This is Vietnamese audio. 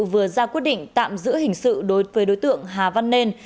vừa ra quyết định tạm giữ hình sự đối với đối tượng hà văn nền